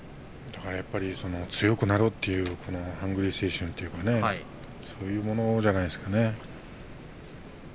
やっぱり強くなろうというハングリー精神というか、そういうものじゃないですかね。